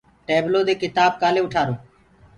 ٽيبلو دي ڪِتآب ڪآلي اُٽآرآ۔